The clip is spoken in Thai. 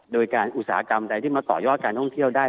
โดยการอุตสาหกรรมใดที่มาต่อยอดการท่องเที่ยวได้